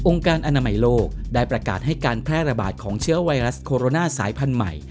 การอนามัยโลกได้ประกาศให้การแพร่ระบาดของเชื้อไวรัสโคโรนาสายพันธุ์ใหม่